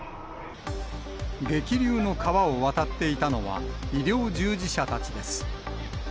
激流の川を渡っていたのは、医療従事者たちです。